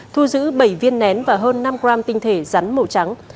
thu giữ bảy viên nén và hơn năm gram tinh thể rắn màu trắng